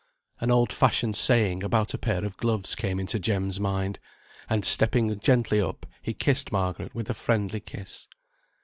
An old fashioned saying about a pair of gloves came into Jem's mind, and stepping gently up he kissed Margaret with a friendly kiss.